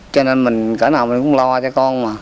cho nên mình cỡ nào mình cũng lo cho con mà